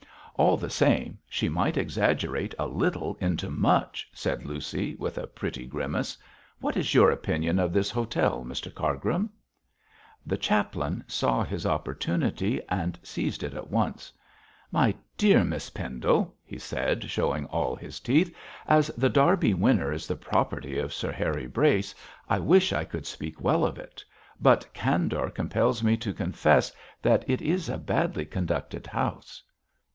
'All the same, she might exaggerate little into much,' said Lucy, with a pretty grimace. 'What is your opinion of this hotel, Mr Cargrim?' The chaplain saw his opportunity and seized it at once. 'My dear Miss Pendle,' he said, showing all his teeth, 'as The Derby Winner is the property of Sir Harry Brace I wish I could speak well of it, but candour compels me to confess that it is a badly conducted house.'